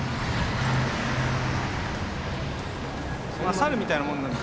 サルみたいなもんなんで。